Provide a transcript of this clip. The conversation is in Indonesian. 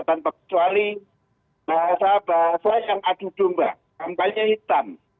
tanpa kecuali bahasa bahasa yang adu domba kampanye hitam